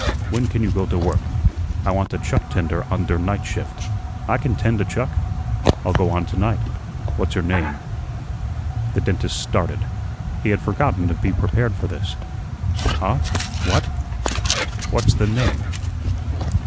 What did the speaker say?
"When ken you go to work? I want a chuck tender on der night shift." "I can tend a chuck. I'll go on to night." "What's your name?" The dentist started. He had forgotten to be prepared for this. "Huh? What?" "What's the name?"